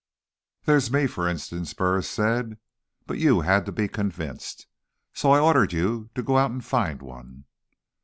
"There's me, for instance," Burris said. "But you had to be convinced. So I ordered you to go out and find one."